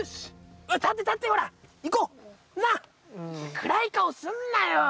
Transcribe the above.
暗い顔すんなよ！